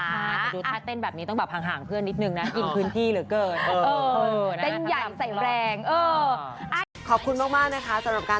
แต่ดูถ้าเต้นแบบนี้ต้องแบบหางเพื่อนนิดนึงนะ